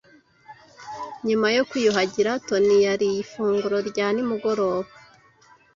Nyuma yo kwiyuhagira, Toni yariye ifunguro rya nimugoroba.